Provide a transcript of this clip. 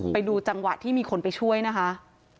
ไปดูจังหวะที่มีคนไปช่วยนะคะ